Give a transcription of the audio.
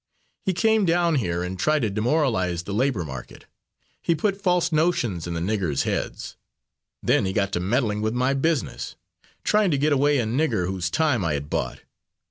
He came down here and tried to demoralise the labour market. He put false notions in the niggers' heads. Then he got to meddling with my business, trying to get away a nigger whose time I had bought.